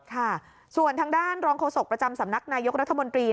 ค่ะส่วนทางด้านรองโฆษกประจำสำนักนายกรัฐมนตรี